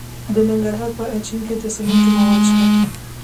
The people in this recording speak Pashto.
د ننګرهار په اچین کې د سمنټو مواد شته.